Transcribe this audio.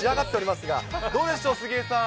どうでしょう、杉江さん。